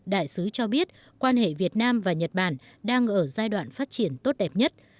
đại sứ cho biết quan hệ việt nam và nhật bản đang ở giai đoạn phát triển tốt đẹp nhất